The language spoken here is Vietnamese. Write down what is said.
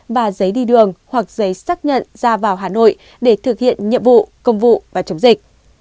và giấy đi đường hoặc giấy xác nhận ra vào hà nội để thực hiện nhiệm vụ công vụ và chống dịch